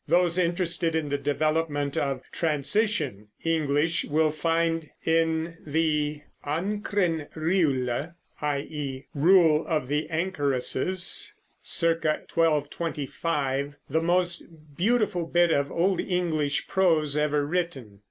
Those interested in the development of "transition" English will find in the Ancren Riwle, i.e. "Rule of the Anchoresses" (c. 1225), the most beautiful bit of old English prose ever written.